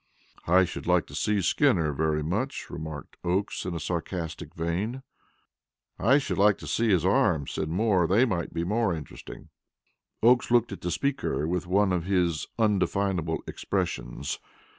"I should like to see Skinner very much," remarked Oakes in a sarcastic vein. "I should like to see his arms," said Moore; "they might be interesting." Oakes looked at the speaker with one of his undefinable expressions.